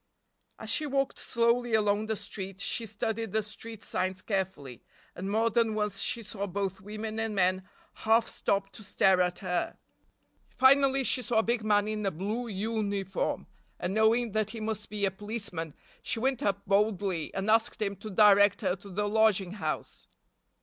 As she walked slowly along the street she studied the street signs carefully, and more than once she saw both women and men half stop to stare at her. Finally she saw a big man in a blue uniform, and knowing that he must be a policeman she went up boldly and asked him to direct her to the lodging house.